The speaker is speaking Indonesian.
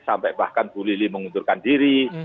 sampai bahkan bulili mengunturkan diri